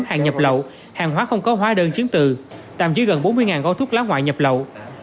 hàng nhập lậu hàng hóa không có hóa đơn chứng từ tạm giữ gần bốn mươi gói thuốc lá ngoại nhập lậu